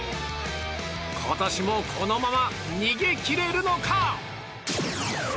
今年もこのまま逃げ切れるのか。